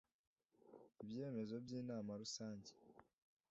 Ibyemezo by lnama Rusange